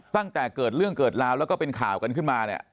ตั้งแต่เกิดเรื่องเกิดราวแล้วก็เป็นข่าวกันขึ้นมาเนี่ย